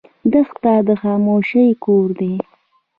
دښته د خاموشۍ کور دی.